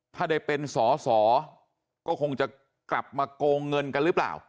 ถ้าได้เป็นสอสอก็คงจะกลับมาโกงเงินกันหรือเปล่า